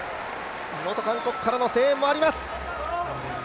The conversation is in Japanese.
地元韓国からの声援もあります。